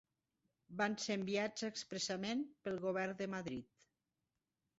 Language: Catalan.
Van ser enviats expressament pel Govern de Madrid.